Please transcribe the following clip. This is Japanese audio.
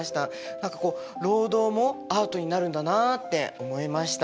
何かこう労働もアートになるんだなあって思いました。